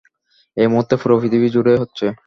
এই মুহূর্তে পুরো পৃথিবী জুড়ে হচ্ছে।